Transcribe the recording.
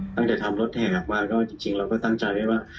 ตั้งแต่ทำรถแห่ออกมาก็จริงเราก็ตั้งใจไว้ว่า